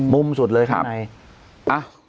มุมสุดเลยข้างใน